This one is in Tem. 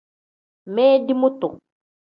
Mindi mutu.